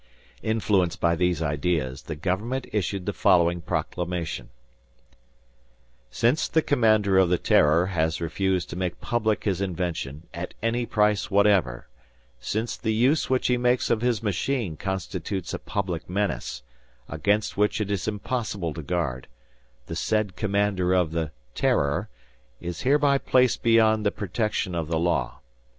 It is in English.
Influenced by these ideas, the government issued the following proclamation: "Since the commander of the 'Terror' has refused to make public his invention, at any price whatever, since the use which he makes of his machine constitutes a public menace, against which it is impossible to guard, the said commander of the 'Terror' is hereby placed beyond the protection of the law.